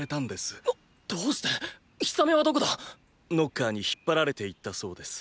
どうして⁉ヒサメはどこだ⁉ノッカーに引っ張られていったそうです。